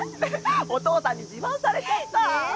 お父さんに自慢されちゃったねえ